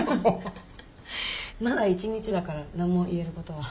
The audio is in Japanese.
まだ１日だから何も言えることは。